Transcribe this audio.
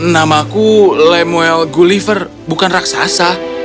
namaku lemuel gulliver bukan raksasa